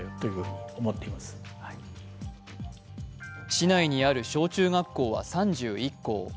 市内にある小中学校は３１校。